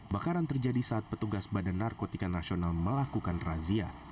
bakaran terjadi saat petugas badan narkotika nasional melakukan razia